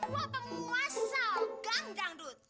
gua penguasa gangjangdut